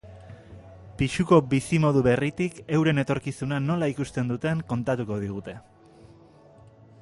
Pisuko bizimodu berritik euren etorkizuna nola ikusten duten kontatuko digute.